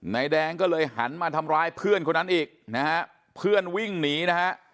นายแดงก็เลยหันมาทำร้ายเพื่อนคนนั้นอีกนะฮะเพื่อนวิ่งหนีนะฮะ